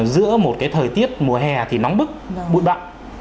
giữa một cái thời tiết mùa hè thì nóng bức bụi bận